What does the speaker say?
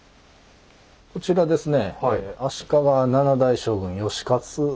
こちらですね